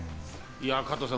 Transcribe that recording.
加藤さん